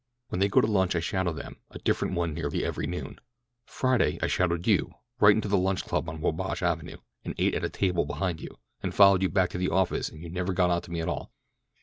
When they go to lunch I shadow them, a different one nearly every noon. Friday I shadowed you—right into the Lunch Club on Wabash Avenue, and ate at a table behind you, and followed you back to the office and you never got onto me at all."